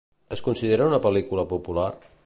Es considera una pel·lícula popular?